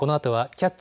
「キャッチ！